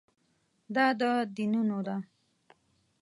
دا د دینونو ده.